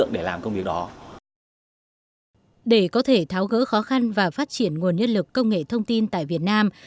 để có thể tháo gỡ khó khăn và phát triển nguồn nhân lực công nghệ thông tin tại việt nam